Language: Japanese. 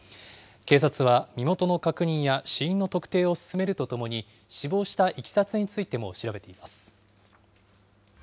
警察は身元の確認や死因の特定を進めるとともに、死亡したいきさつについても調べています。